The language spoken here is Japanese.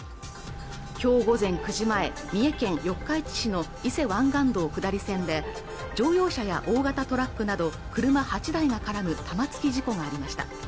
今日午前９時前三重県四日市市の伊勢湾岸道下り線で乗用車や大型トラックなど車８台が絡む玉突き事故がありました